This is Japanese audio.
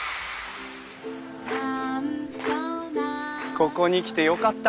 ここに来てよかった。